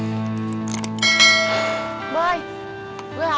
gak ada yang mau nanya